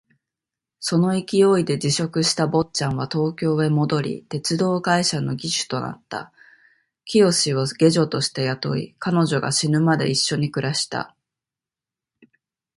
その勢いで辞職した坊っちゃんは東京へ戻り、鉄道会社の技手となった。清を下女として雇い、彼女が死ぬまで一緒に暮らした。